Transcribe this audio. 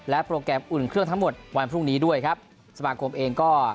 โปรแกรมอุ่นเครื่องทั้งหมดวันพรุ่งนี้ด้วยครับสมาคมเองก็